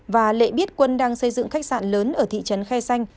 và lệ biết quân đang xây dựng khách sạn lớn ở thị trấn khe xanh